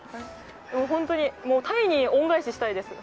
本当にタイに恩返ししたいです。